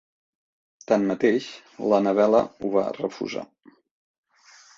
Tanmateix, l'Annabella ho va refusar.